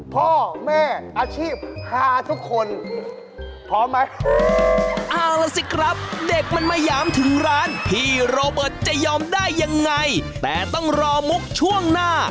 พ่อแม่อาชีพฮาทุกคน